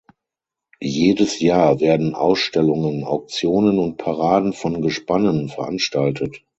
Jedes Jahr werden Ausstellungen, Auktionen und Paraden von Gespannen veranstaltet.